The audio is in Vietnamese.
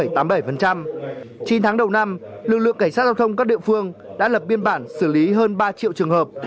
chín tháng đầu năm lực lượng cảnh sát giao thông các địa phương đã lập biên bản xử lý hơn ba triệu trường hợp